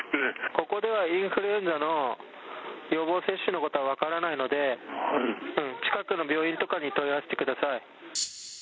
ここではインフルエンザの予防接種のことは分からないので、近くの病院とかに問い合わせてください。